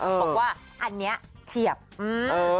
เออบอกว่าอันเนี้ยเทียบเออ